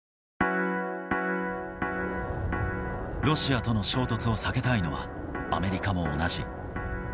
ロシアとの衝突を避けたいのは、アメリカも同じ。